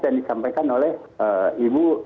dan disampaikan oleh ibu